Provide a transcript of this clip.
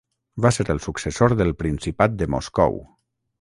Va ser el successor del Principat de Moscou.